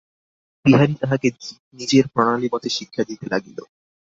বিহারী তাহাকে নিজের প্রণালীমতে শিক্ষা দিতে লাগিল।